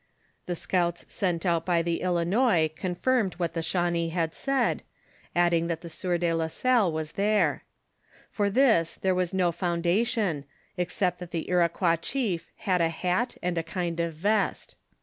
The scouts sent out by the Ilinois t^narmed what the Shawnee liad said, adding that the sieur de la Salle was there. For this there was no foundation, except that the Iroquois chief had a hat and a kind of vest.